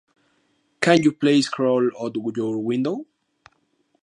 Can You Please Crawl Out Your Window?